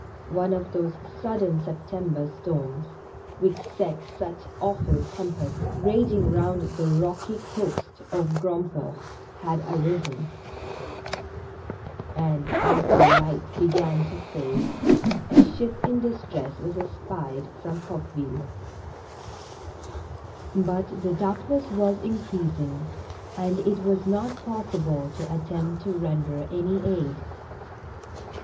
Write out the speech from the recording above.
One of those sud den September storms, which set such awful tem pests raging round the rocky coast of Grandport, had arisen; and, as the light began to fade, a ship in distress was espied from Coqueville. But the darkness was increasing, and it was not possible to attempt to render any aid.